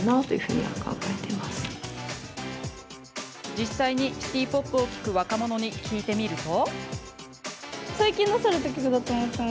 実際にシティ・ポップを聴く若者に聞いてみると。